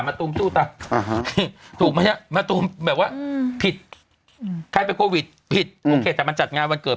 ตูมสู้ตายถูกไหมฮะมะตูมแบบว่าผิดใครเป็นโควิดผิดโอเคแต่มันจัดงานวันเกิด